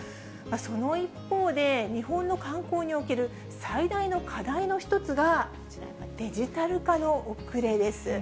その一方で、日本の観光における最大の課題の一つがこちら、デジタル化の遅れです。